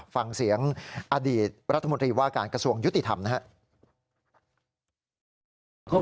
ฟังเสียงอดีตรัฐมนตรีว่าการกระทรวงยุติธรรมนะครับ